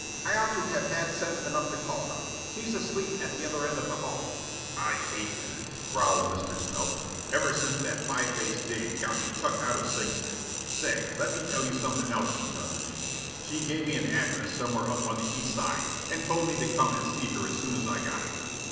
I ought to have had sense enough to call her. She's asleep at the other end of the hall." "I hate women," growled Mr. Smilk. "Ever since that pie faced dame got me chucked out of Sing Sing, say, let me tell you something else she done to me. She gave me an address somewhere up on the East Side and told me to come and see her as soon as I got out.